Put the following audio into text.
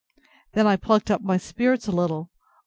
Then I plucked up my spirits a little.